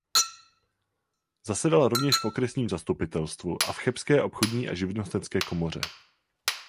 Zasedal rovněž v okresním zastupitelstvu a v chebské obchodní a živnostenské komoře.